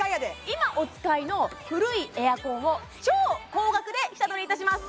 今お使いの古いエアコンを超高額で下取りいたします